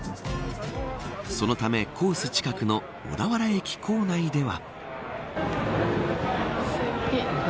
そのためコース近くの小田原駅構内では。